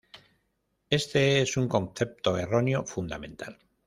Este es un concepto erróneo fundamental.